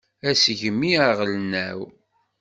Asegmi aɣelnaw.